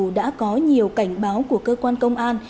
mặc dù đã có nhiều cảnh báo của cơ quan công an